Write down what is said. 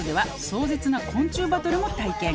「壮絶な昆虫バトルも体験」